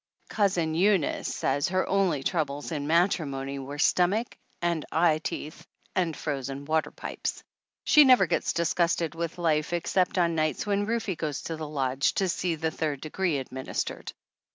Cousin Eunice says her only troubles in matrimony were stomach and eye teeth and frozen water pipes. She never gets disgusted with life ex cept on nights when Rufe goes to the lodge to see the third degree administered.